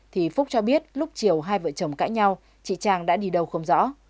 thì phúc cho biết lúc chiều hai vợ chồng cãi nhau chị trang đã đi đâu không rõ